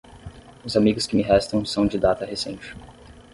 Os amigos que me restam são de data recente.